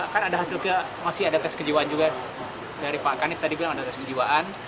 kan ada hasil masih ada tes kejiwaan juga dari pak kanit tadi bilang ada tes kejiwaan